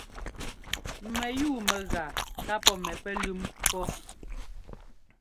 Mɛyúu mɛgaa ká pɔ́ mɛ pɛlʉ́m pɔ́.